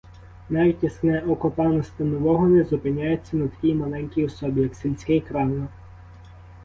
Навіть ясне око пана станового не зупиняється на такій маленькій особі, як сільський крамар.